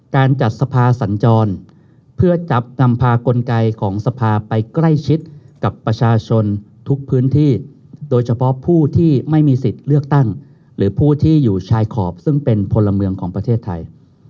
การจัดสภาสัญจรเพื่อจับนำพากลไกของสภาไปใกล้ชิดกับประชาชนทุกพื้นที่โดยเฉพาะผู้ที่ไม่มีสิทธิ์เลือกตั้งหรือผู้ที่อยู่ชายขอบซึ่งเป็นพลเมืองของประเทศไทย